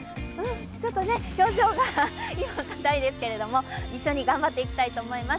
ちょっとね、表情が硬いですけれども、一緒に頑張っていきたいと思います。